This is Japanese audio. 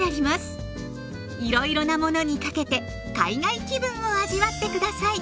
いろいろなものにかけて海外気分を味わって下さい！